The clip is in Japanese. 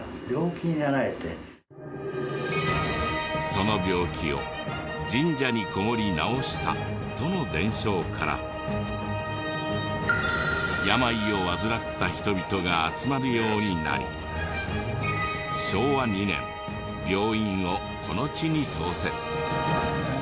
その病気を神社にこもり治したとの伝承から病を患った人々が集まるようになり昭和２年病院をこの地に創設。